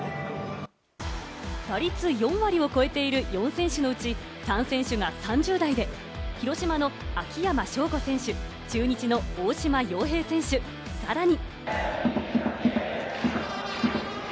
打率４割を超えている４選手のうち、３選手が３０代で、広島の秋山翔吾選手、中日の大島洋平選手、さらに。